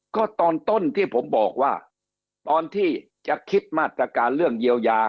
ก็ตอนต้นที่ผมบอกว่าตอนที่จะคิดมาตรการเรื่องเยียวยา